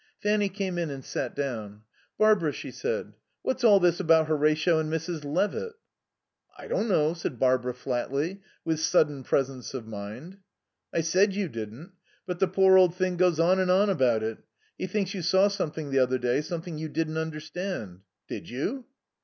Fanny came in and sat down. "Barbara," she said, "what's all this about Horatio and Mrs. Levitt?" "I don't know," said Barbara flatly, with sudden presence of mind. "I said you didn't. But the poor old thing goes on and on about it. He thinks you saw something the other day. Something you didn't understand. Did you?"